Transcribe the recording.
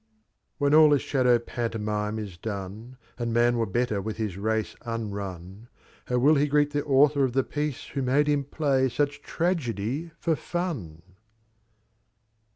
xXii. When ail this Shadow Pantomime is done, And M&9 were better with his Race uaruo, How will He grttt the Author of the Piece Who made him ptay such Tragedy for Fun?